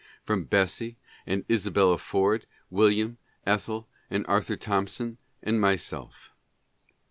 . from Bessie and Isabella Ford, William, Ethel and Ar thur Thompson, and myself.